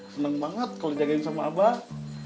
senang banget kalau dijagain sama abah